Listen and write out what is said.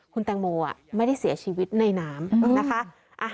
คุณแตงโมไม่ได้เสียชีวิตในน้ำนะคะ